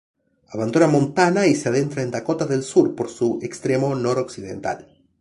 Abandona Montana y se adentra en Dakota del Sur por su extremo noroccidental.